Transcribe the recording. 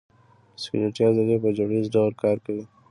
سکلیټي عضلې په جوړه ییز ډول کار کوي.